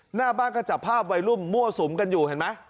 หน้าบ้านก็จับภาพวัยรุ่นมั่วสุมกันอยู่เห็นไหม